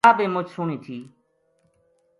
جا بے مُچ سوہنی تھی